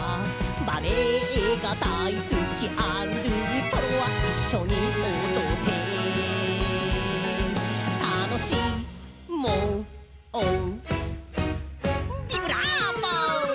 「バレエがだいすきアン・ドゥ・トロワ」「いっしょに踊って楽しもう」「ビブラーボ！」